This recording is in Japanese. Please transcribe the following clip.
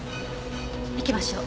行きましょう。